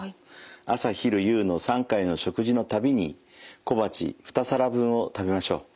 朝昼夕の３回の食事のたびに小鉢２皿分を食べましょう。